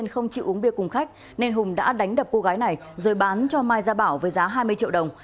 hùng đã đánh đập cô gái này rồi bán cho mai gia bảo với giá hai mươi triệu đồng